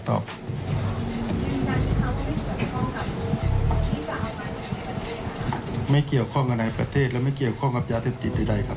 ที่บอกว่าขายให้กับคำว่าเนี้ยครับคำว่าที่ขายที่เป็นชนศูนย์น้อยหรือเป็นอะไรยังไงอ่ะครับ